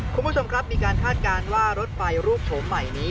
คุณผู้ชมครับมีการคาดการณ์ว่ารถไฟรูปโฉมใหม่นี้